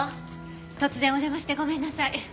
突然お邪魔してごめんなさい。